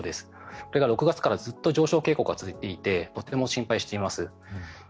それが６月からずっと上昇傾向が続いていてとても心配しています。